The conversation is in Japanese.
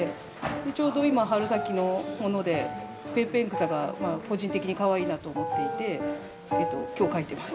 ちょうど今春先のものでペンペン草が個人的にかわいいなと思っていて今日描いてます。